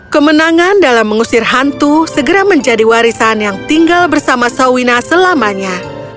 kemenangan dalam mengusir hantu segera menjadi warisan yang tinggal bersama sawina selamanya